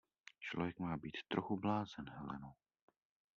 Člověk má být trochu blázen, Heleno.